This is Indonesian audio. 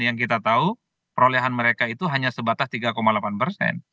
yang kita tahu perolehan mereka itu hanya sebatas tiga delapan persen